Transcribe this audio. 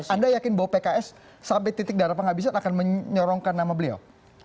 anda yakin bahwa pks sampai titik darah penghabisan akan menyorongkan nama beliau